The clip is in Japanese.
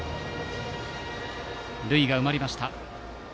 塁が埋まりました。